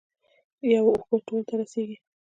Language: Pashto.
یوه اوبه ټولو ته رسیږي.